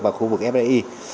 và khu vực fdi